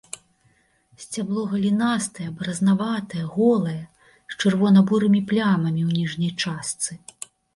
Сцябло галінастае, баразнаватае, голае, з чырвона-бурымі плямамі ў ніжняй частцы.